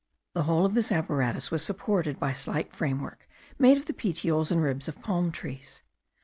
The whole of this apparatus was supported by slight frame work made of the petioles and ribs of palm leaves.